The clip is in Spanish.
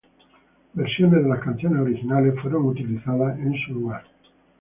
Versiones de las canciones originales fueron utilizados en su lugar.